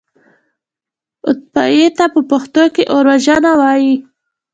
اطفائيې ته په پښتو کې اوروژنه وايي.